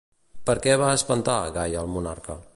Per què va espantar Gai al monarca?